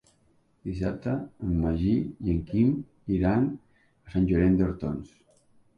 Dissabte en Magí i en Quim iran a Sant Llorenç d'Hortons.